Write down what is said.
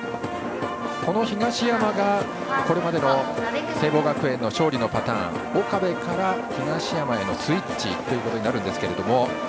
この東山がこれまでの聖望学園の勝利のパターン岡部から東山へのスイッチとなるんですけど。